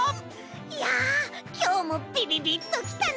いやきょうもびびびっときたね！